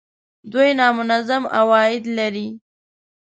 دوی نامنظم عواید لري